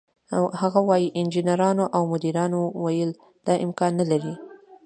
هغه وايي: "انجنیرانو او مدیرانو ویل دا امکان نه لري،